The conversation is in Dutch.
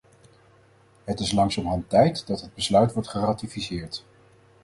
Het is langzamerhand tijd dat het besluit wordt geratificeerd.